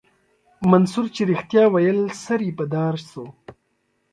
منصور چې رښتيا ويل سر يې په دار سو.